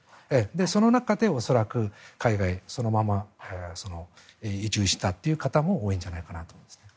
その中で恐らく海外にそのまま移住した方も多いんじゃないかなと思うんですね。